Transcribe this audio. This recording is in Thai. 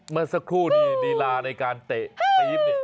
เมื่อสักครู่ดีลาในการเตะปี๊บ